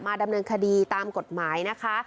ดำเนินคดีตามกฎหมายนะคะ